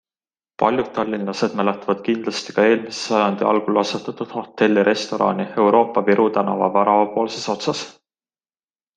Paljud tallinlased mäletavad kindlasti ka eelmise sajandi algul asutatud hotell-restorani Euroopa Viru tänava väravapoolses otsas.